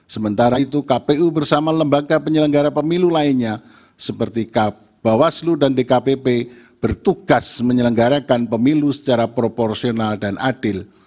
sementara itu kpu bersama lembaga penyelenggara pemilu lainnya seperti bawaslu dan dkpp bertugas menyelenggarakan pemilu secara proporsional dan adil